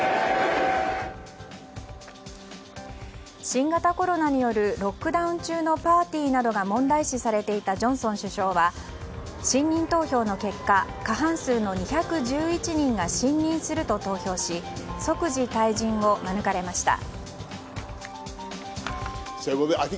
新型コロナによるロックダウン中のパーティーなどが問題視されていたジョンソン首相は信任投票の結果、過半数の２１１人が信任すると投票し即時退陣を免れました。